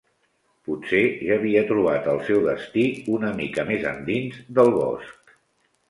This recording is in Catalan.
Potser ja havia trobat el seu destí una mica més endins del bosc.